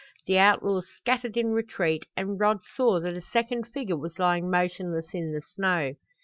The outlaws scattered in retreat and Rod saw that a second figure was lying motionless in the snow.